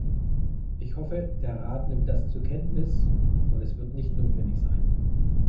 Ich hoffe, der Rat nimmt das zur Kenntnis, und es wird nicht notwendig sein.